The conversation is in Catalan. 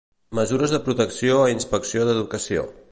Mesures de protecció a inspecció d'educació.